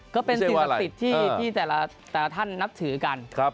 ก็เป็นสิ่งศักดิ์สิทธิ์ที่แต่ละท่านนับถือกัน